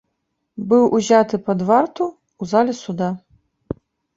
Быў узяты пад варту ў зале суда.